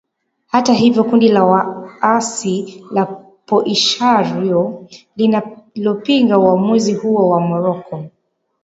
hata hivyo kundi la waasi la poishario linalopinga uamuzi huo wa morocco